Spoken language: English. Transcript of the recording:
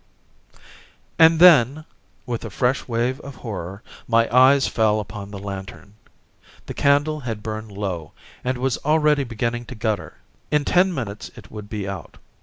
And then, with a fresh wave of horror, my eyes fell upon the lantern. The candle had burned low, and was already beginning to gutter. In ten minutes it would be out.